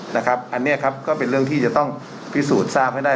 นะครับอันนี้ครับก็เป็นเรื่องที่จะต้องพิสูจน์ทราบให้ได้